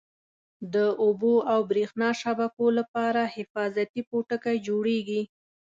د اوبو او بریښنا شبکو لپاره حفاظتي پوټکی جوړیږي.